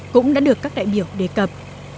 cũng đã được các đại biểu đề cập